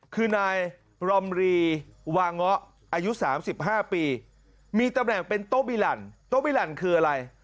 คือนายรอมรีวาเงาะอายุ๓๕ปีมีตำแหน่งเป็นโต๊บิหลั่นโต๊ะบิหลั่นคืออะไร